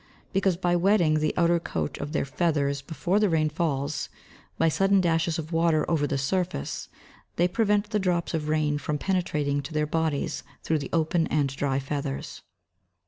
_ Because by wetting the outer coat of their feathers before the rain falls, by sudden dashes of water over the surface, they prevent the drops of rain from penetrating to their bodies through the open and dry feathers.